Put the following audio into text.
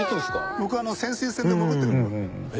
僕潜水船で潜ってる頃に。